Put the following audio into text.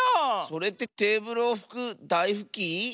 それってテーブルをふくだいふき？